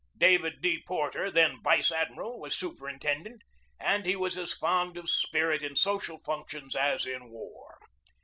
David D. Porter, then vice admiral, was superintendent, and he was as fond of spirit in social functions as in war.